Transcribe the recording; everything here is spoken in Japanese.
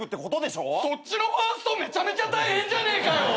そっちのファーストめちゃめちゃ大変じゃねえかよ。